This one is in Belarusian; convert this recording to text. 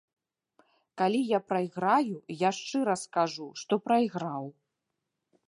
Калі я прайграю, я шчыра скажу, што прайграў.